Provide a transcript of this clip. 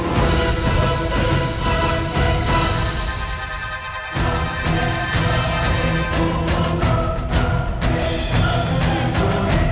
matianmu akan kucutkan suram seser